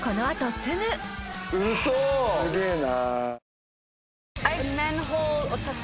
すげえな。